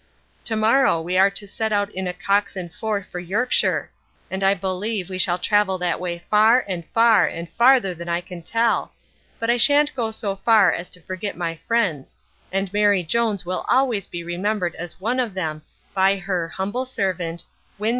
Tomorrow, we are to set out in a cox and four for Yorkshire; and, I believe, we shall travel that way far, and far, and farther than I can tell; but I shan't go so far as to forget my friends; and Mary Jones will always be remembered as one of them by her Humble sarvant, WIN.